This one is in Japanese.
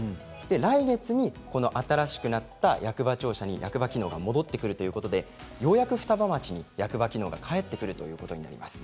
来月に新しくなった役場庁舎に役場機能が戻ってくるということでようやく双葉町に役場機能が帰ってくるということになります。